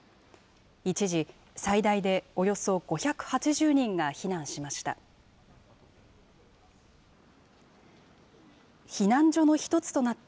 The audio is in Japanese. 一時、最大でおよそ５８０人が避難しました。